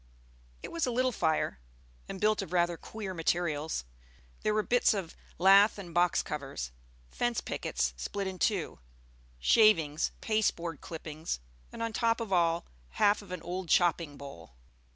It was a little fire, and built of rather queer materials. There were bits of lath and box covers, fence pickets split in two, shavings, pasteboard clippings, and on top of all, half of an old chopping bowl.